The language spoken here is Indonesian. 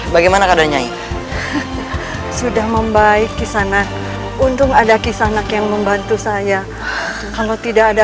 bagaimana keadaannya sudah membaiki sana untung ada kisanak yang membantu saya kalau tidak ada